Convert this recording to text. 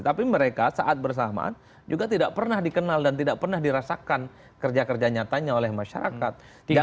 tapi mereka saat bersamaan juga tidak pernah dikenal dan tidak pernah dirasakan kerja kerja nyatanya oleh masyarakat